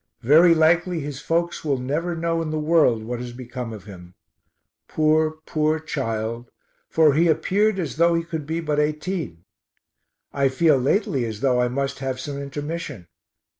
Very likely his folks will never know in the world what has become of him. Poor, poor child, for he appeared as though he could be but 18. I feel lately as though I must have some intermission.